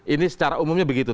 ini secara umumnya begitu